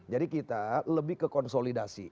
jadi kita lebih ke konsolidasi